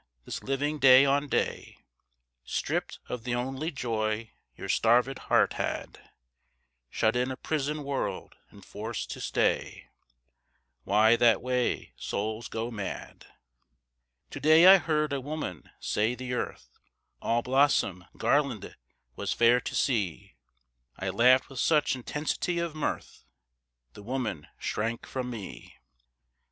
this living day on day, Stripped of the only joy your starved heart had, Shut in a prison world and forced to stay Why that way souls go mad! To day I heard a woman say the earth, All blossom garlanded, was fair to see. I laughed with such intensity of mirth, The woman shrank from me.